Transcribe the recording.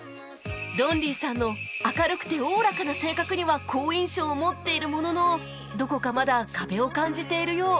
ロンリーさんの明るくておおらかな性格には好印象を持っているもののどこかまだ壁を感じているよう